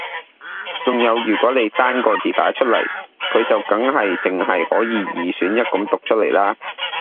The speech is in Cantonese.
仲有如果你單個字打出嚟佢就梗係淨係可以二選一噉讀出嚟啦